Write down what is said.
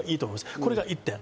これが１点。